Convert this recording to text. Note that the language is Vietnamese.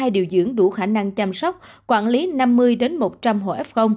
một hai điều dưỡng đủ khả năng chăm sóc quản lý năm mươi một trăm linh hộ f